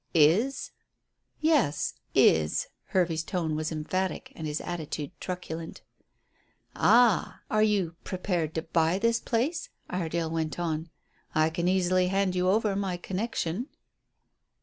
"Is?" "Yes, is." Hervey's tone was emphatic, and his attitude truculent. "Ah! are you prepared to buy this place?" Iredale went on. "I can easily hand you over my connection."